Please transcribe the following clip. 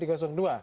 khususnya di dua